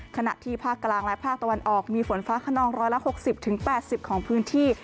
ขณะที่ภาคกลางและภาคตะวันออกมีฝนฟ้าขนอง๑๖๐๘๐ของพื้นที่